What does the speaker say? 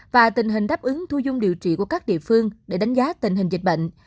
và tình hình đáp ứng thu dung điều trị của các địa phương để đánh giá tình hình dịch bệnh